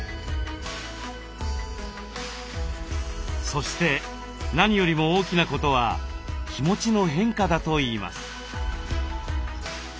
そして何よりも大きなことは気持ちの変化だといいます。